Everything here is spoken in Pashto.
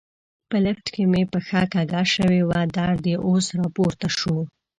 په لفټ کې مې پښه کږه شوې وه، درد یې اوس را پورته شو.